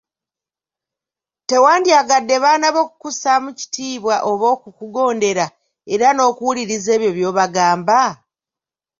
Tewandyagadde baana bo kukussaamu kitiibwa oba okukugondera era n'okuwuliriza ebyo by'obagamba ?